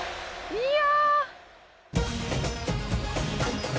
いや！